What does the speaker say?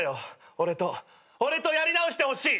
俺と俺とやり直してほしい！